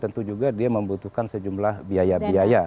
tentu juga dia membutuhkan sejumlah biaya biaya